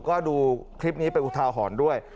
ก็ดูคลิปนี้เป็นอุทาหรณ์ด้วย